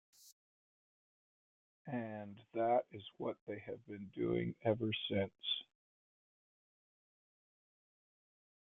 And that is what they have been doing ever since.